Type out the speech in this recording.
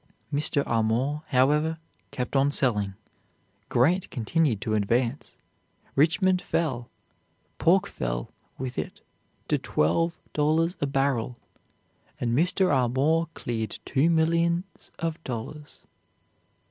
Mr. Armour, however, kept on selling, Grant continued to advance. Richmond fell, pork fell with it to twelve dollars a barrel, and Mr. Armour cleared two millions of dollars.